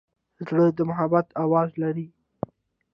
زړه د محبت آواز لري.